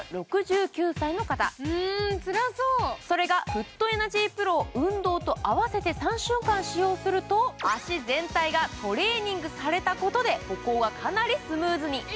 フットエナジーＰＲＯを運動と合わせて３週間使用すると、足全体がトレーニングされたことで歩行はかなりスムーズに。